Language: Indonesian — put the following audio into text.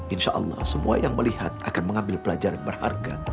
insya allah semua yang melihat akan mengambil pelajaran berharga